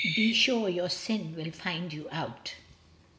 "Be sure your sin will find you out."